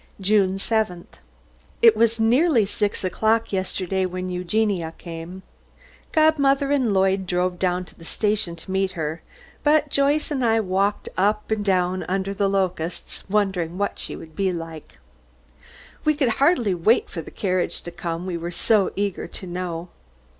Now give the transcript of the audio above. JUNE 7th. It was nearly six o'clock yesterday when Eugenia came. Godmother and Lloyd drove down to the station to meet her, but Joyce and I walked up and down under the locusts, wondering what she would be like. We could hardly wait for the carriage to come, we were so eager to know.